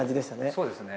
そうですね。